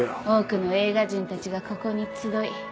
多くの映画人たちがここに集い